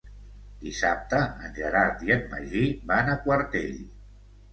Dissabte en Gerard i en Magí van a Quartell.